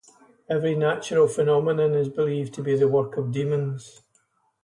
Every natural phenomenon is believed to be the work of demons.